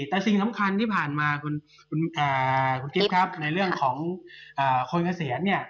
แต่สิ่งสำคัญที่ผ่านมาในเรื่องของคนเกษียณ